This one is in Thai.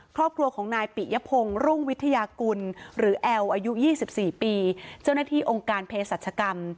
ครอบครัวของนายปิยพงศ์รุ่งวิทยากุลหรือแอลอายุ๒๔ปีเจ้าหน้าที่องค์การเพศรัชกรรม